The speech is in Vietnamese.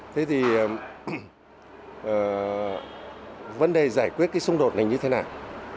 thế thì vấn đề giải quyết cái xung đột này như thế nào